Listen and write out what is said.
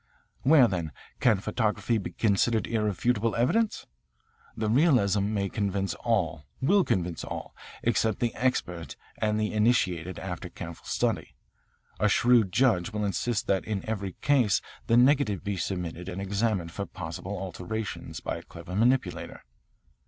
"Where, then, can photography be considered as irrefutable evidence? The realism may convince all, will convince all, except the expert and the initiated after careful study. A shrewd judge will insist that in every case the negative be submitted and examined for possible alterations by a clever manipulator."